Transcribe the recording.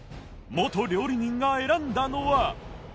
元料理人が選んだのは